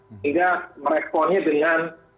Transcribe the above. sehingga meresponnya dengan